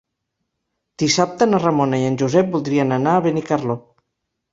Dissabte na Ramona i en Josep voldrien anar a Benicarló.